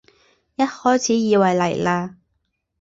一开始以为来了